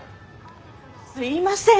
すいません。